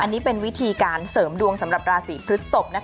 อันนี้เป็นวิธีการเสริมดวงสำหรับราศีพฤศพ